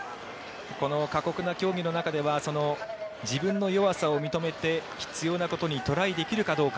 この過酷な競技の中では自分の弱さを認めて必要なことにトライできるかどうか。